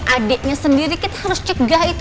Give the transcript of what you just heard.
nggak baiknya sendiri kita harus cegah itu